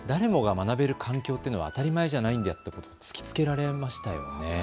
学べる環境というのは当たり前でないということを突きつけられました。